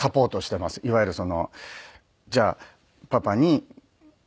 いわゆるじゃあパパに。